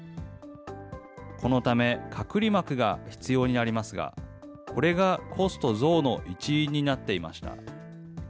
このため、隔離膜が必要になりますが、これがコスト増の一因になっていました。